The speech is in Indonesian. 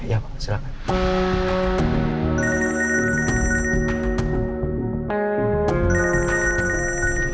ya pak silahkan